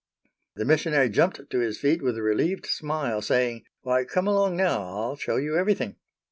The missionary jumped to his feet with a relieved smile saying, "Why, come along now. I'll show you everything."